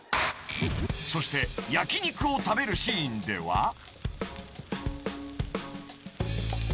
［そして焼き肉を食べるシーンでは］